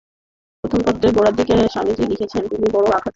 প্রথম পত্রের গোড়ার দিকে স্বামীজী লিখিয়াছেন, তিনি জোড় আঘাত দিয়াছেন।